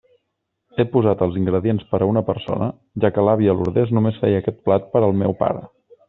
He posat els ingredients per a una persona, ja que l'àvia Lourdes només feia aquest plat per al meu pare.